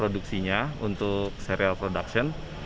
produksinya untuk serial production